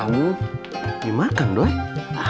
ayo caralo ke mas papa pandemicernya